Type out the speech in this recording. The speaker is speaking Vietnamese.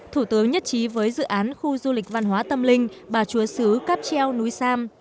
thủ tướng nhất trí với dự án khu du lịch văn hóa tâm linh bà chúa sứ cáp treo núi sam